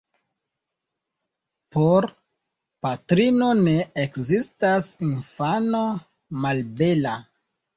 Por patrino ne ekzistas infano malbela.